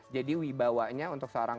jadi wibawanya untuk seorang